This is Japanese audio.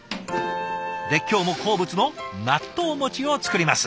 で今日も好物の納豆を作ります。